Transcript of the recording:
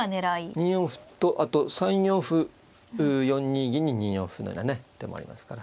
２四歩とあと３四歩４二銀に２四歩のようなね手もありますから。